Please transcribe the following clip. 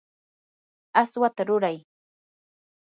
aswata ruray.